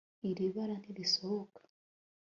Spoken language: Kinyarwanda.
iri bara ntirisohoka